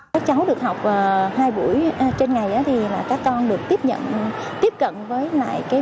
các cháu được học hai buổi trên ngày thì các con được tiếp cận với lại